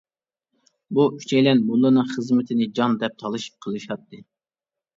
بۇ ئۈچەيلەن موللىنىڭ خىزمىتىنى جان دەپ تالىشىپ قىلىشاتتى.